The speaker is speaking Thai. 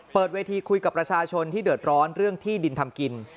เวทีคุยกับประชาชนที่เดือดร้อนเรื่องที่ดินทำกิน